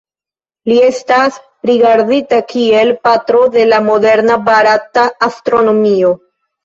Li estas rigardita kiel "Patro de la moderna barata astronomio".